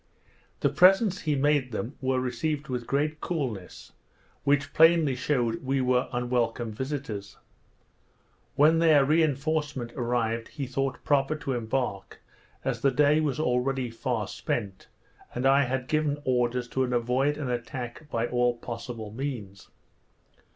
The presents he made them were received with great coolness, which plainly shewed we were unwelcome visitors. When their reinforcement arrived he thought proper to embark, as the day was already far spent, and I had given orders to avoid an attack by all possible means.